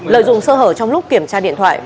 lợi dụng sơ hở trong lúc kiểm tra điện thoại